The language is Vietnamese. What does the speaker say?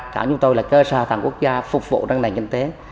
cảng chúng tôi là cơ sở hoạt động quốc gia phục vụ răng đầy kinh tế